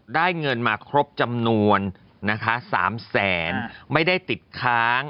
ได้เงินมาครบจำนวนนะคะ๓แสนไม่ได้ติดค้าง